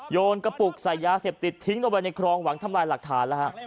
โยนกระปุกใส่ยาเสพติดทิ้งลงไปในคลองหวังทำลายหลักฐานแล้วฮะ